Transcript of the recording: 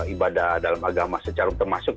ibadah dalam agama secara termasuk